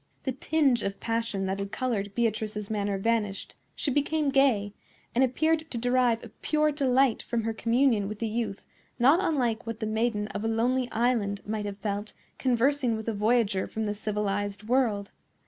The tinge of passion that had colored Beatrice's manner vanished; she became gay, and appeared to derive a pure delight from her communion with the youth not unlike what the maiden of a lonely island might have felt conversing with a voyager from the civilized world.